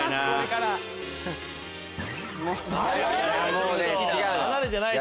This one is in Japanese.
もうね違うのよ。